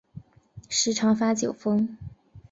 时常发酒疯